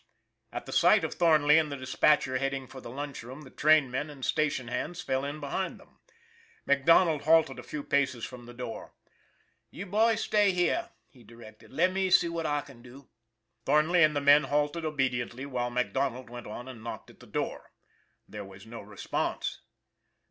At the sight of Thornley and the dispatcher head ing for the lunch room, the trainmen and station hands fell in behind them. MacDonald halted a few paces from the door. " You boys, stay here," he directed. " Let me see what I can do." Thornley and the men halted obediently, while MacDonald went on and knocked at the door. There was no response.